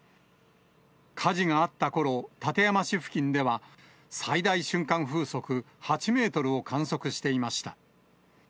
火事があったころ、館山市付近では最大瞬間風速８メートルを観測していました。